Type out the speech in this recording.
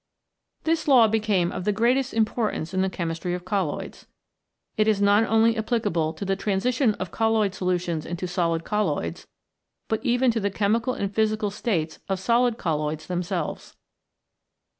This law became of the greatest importance in the chemistry of colloids. It is not only applic able to the transition of colloid solutions into solid colloids, but even to the chemical and physical states of solid colloids themselves.